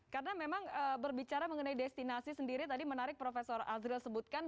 karena memang berbicara mengenai destinasi sendiri tadi menarik prof azril sebutkan